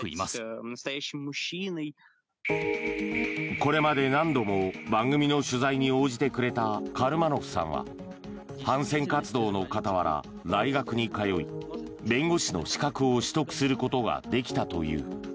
これまで何度も番組の取材に応じてくれたカルマノフさんさんは反戦活動の傍ら、大学に通い弁護士の資格を取得することができたという。